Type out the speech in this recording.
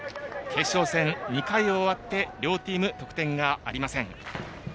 決勝戦、２回を終わって両チーム得点ありません。